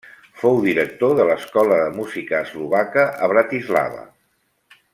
Fou director de l'Escola de Música Eslovaca, a Bratislava.